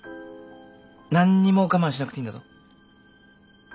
何にも我慢しなくていいんだぞ。